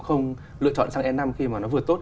không lựa chọn sang e năm khi mà nó vừa tốt